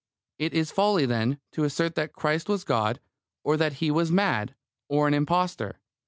It is folly, then, to assert that Christ was God, or that He was mad, or an impostor.